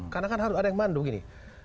karena kan harus ada yang mandu begini